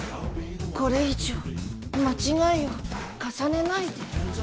これ以上間違いを重ねないで。